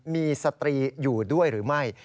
มีสตรีอยู่ด้วยหรือไม่